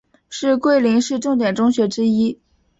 是桂林市重点中学之一。